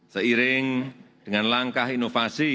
seiring dengan langkah inovasi